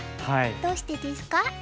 どうしてですか？